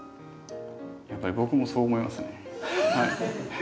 やっぱり僕もそう思いますね。